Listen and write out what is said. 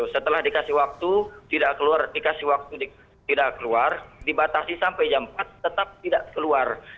setelah dikasih waktu tidak keluar dibatasi sampai jam empat tetap tidak keluar